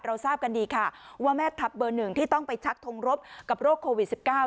ทราบกันดีค่ะว่าแม่ทัพเบอร์หนึ่งที่ต้องไปชักทงรบกับโรคโควิด๑๙